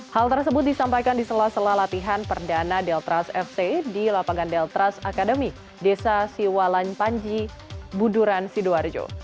hal tersebut disampaikan di sela sela latihan perdana deltras fc di lapangan deltras akademi desa siwalan panji buduran sidoarjo